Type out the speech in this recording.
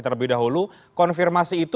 terlebih dahulu konfirmasi itu